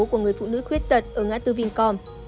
của người phụ nữ khuyết tật ở ngã tư vincom